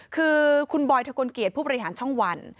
คือคุณบอยทะกลเกียจผู้บริหารช่องวัน